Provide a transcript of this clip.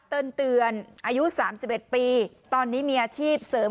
เตินเตือนอายุสามสิบเอ็ดปีตอนนี้มีอาชีพเสริม